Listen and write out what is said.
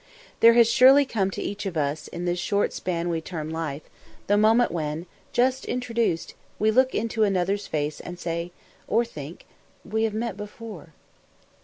There has surely come to each of us, in this short span we term life, the moment when, just introduced, we look into another's face and say or think, "We have met before."